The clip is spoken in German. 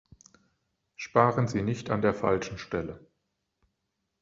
Sparen Sie nicht an der falschen Stelle!